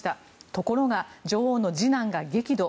ところが、女王の次男が激怒。